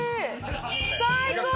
最高。